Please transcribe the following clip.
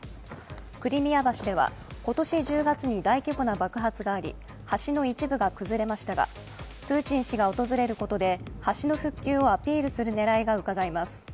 クリミア橋では今年１０月に大規模な爆発があり、橋の一部が崩れましたが、プーチン氏が訪れることで橋の復旧をアピールする狙いがうかがえます。